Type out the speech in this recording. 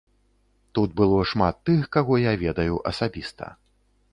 Тут было шмат тых, каго я ведаю асабіста.